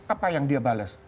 apa yang dia bales